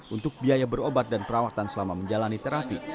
untuk biaya berobat dan perawatan selama menjalani terapi